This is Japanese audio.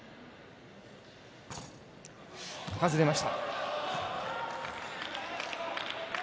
外れました。